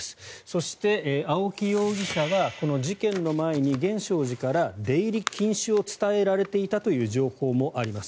そして、青木容疑者はこの事件の前に源証寺から出入り禁止を伝えられていたという情報もあります。